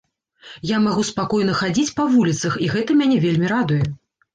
Я магу спакойна хадзіць па вуліцах, і гэта мяне вельмі радуе.